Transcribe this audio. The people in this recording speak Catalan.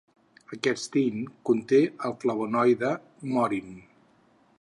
Aquest tint conté el flavonoide morin.